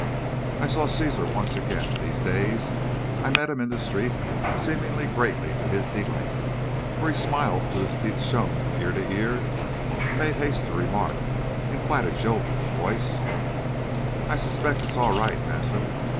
"I saw Cæsar once again in these days. I met him in the street, seemingly greatly to his delight, for he smiled till his teeth shone from ear to ear, and made haste to remark, in quite a jovial voice: "'I specs it's all right, massa.